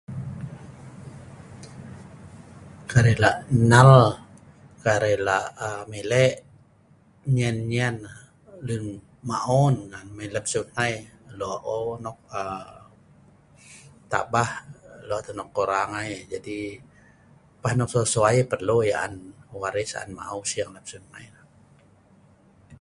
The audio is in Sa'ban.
Kai arai lah' nal, kai arai lah mileh nyen-nyen lun maon mai lem siu hnai lo eu nok' aaa tabah, lo' tah nok kurang ai jadi pah nok sesuai ai perlu yah an waris n maeu sing lem siu' hnai.